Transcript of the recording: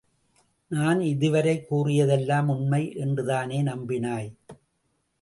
நான் இதுவரை கூறியதெல்லாம் உண்மை என்று தானே நம்பினாய்?